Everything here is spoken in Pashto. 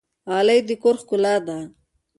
غالۍ د کور ښکلا ده